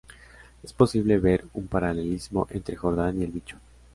Es posible ver un paralelismo entre Jordán y el bicho.